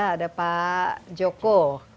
ada pak joko